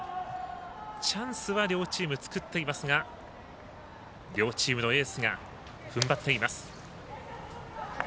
チャンスは両チーム作っていますが両チームのエースがふんばっています。